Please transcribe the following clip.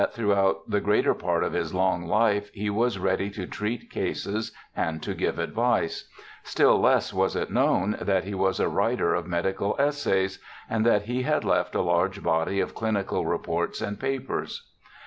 JOHN LOCKE 69 throughout the greater part of his long Ufe he was ready to treat cases and to give advice ; still less was it known that he was a writer of medical essays, and that he had left a large body of clinical reports and papers.